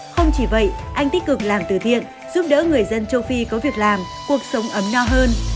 không chỉ vậy anh tích cực làm từ thiện giúp đỡ người dân châu phi có việc làm cuộc sống ấm no hơn